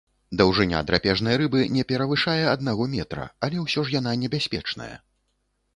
Даўжыня драпежнай рыбы не перавышае аднаго метра, але ўсё ж яна небяспечная.